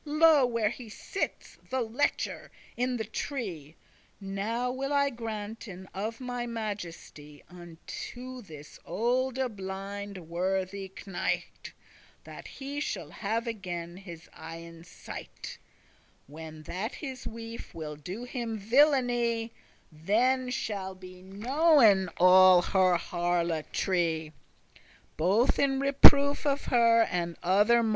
Lo, where he sits, the lechour, in the tree. Now will I granten, of my majesty, Unto this olde blinde worthy knight, That he shall have again his eyen sight, When that his wife will do him villainy; Then shall be knowen all her harlotry, Both in reproof of her and other mo'."